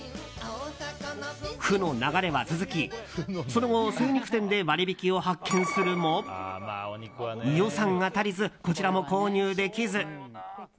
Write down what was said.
負の流れは続き、その後精肉店で割引を発見するも予算が足りずこちらも購入できず。